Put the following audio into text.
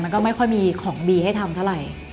ก็ไม่ค่อยมีของดีให้ทำเท่าไหร่